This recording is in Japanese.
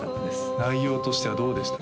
内容としてはどうでしたか？